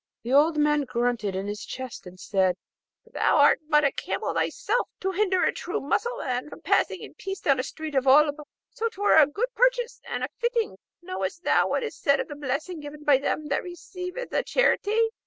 The old man grunted in his chest, and said, 'Thou art but a camel thyself, to hinder a true Mussulman from passing in peace down a street of Oolb; so 'twere a good purchase and a fitting: know'st thou what is said of the blessing given by them that receive a charity?